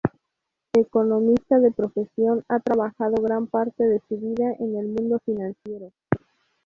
Economista de profesión, ha trabajado gran parte de su vida en el mundo financiero.